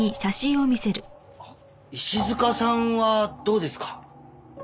石塚さんはどうですか？